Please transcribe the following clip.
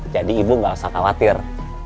jadi ibu nggak usah khawatir